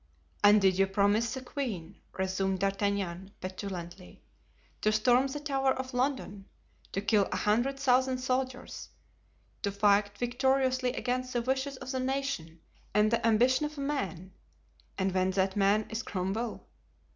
"And did you promise the queen," resumed D'Artagnan, petulantly, "to storm the Tower of London, to kill a hundred thousand soldiers, to fight victoriously against the wishes of the nation and the ambition of a man, and when that man is Cromwell?